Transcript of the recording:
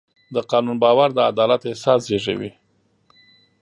د قانون باور د عدالت احساس زېږوي.